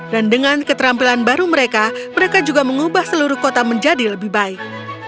dan dengan keterampilan baru mereka mereka juga mengubah seluruh kota menjadi lebih baik